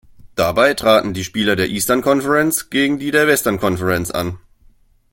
Dabei traten die Spieler der Eastern Conference gegen die der Western Conference an.